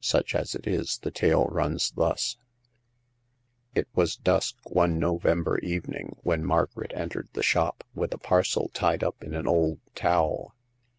Such as it is, the tale runs thus : It was dusk one November evening when Mar garet entered the shop, with a parcel tied up in 3n old towQl.